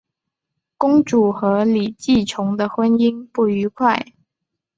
公主和李继崇的婚姻不愉快。